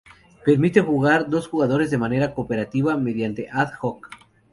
Permite jugar dos jugadores de manera cooperativa mediante Ad-hoc.